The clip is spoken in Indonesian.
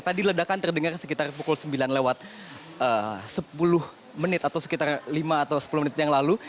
tadi ledakan terdengar sekitar pukul sembilan lewat sepuluh menit atau sekitar lima atau sepuluh menit yang lalu